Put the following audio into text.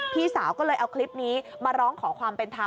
พี่สาวก็เลยเอาคลิปนี้มาร้องขอความเป็นธรรม